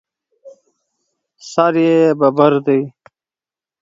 سر یې ببر دی.